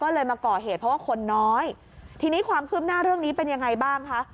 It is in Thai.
ก็เลยมาก่อเหตุเพราะว่าคนน้อยทีนี้ความคืบหน้าเรื่องนี้เป็นยังไงบ้างคะ